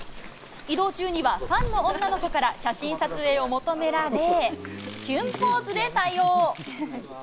移動中には、ファンの女の子から写真撮影を求められ、きゅんポーズで対応。